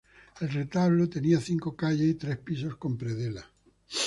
El retablo tenía cinco calles y tres pisos con predela.